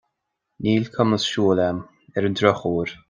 Níl cumas siúil agam, ar an drochuair.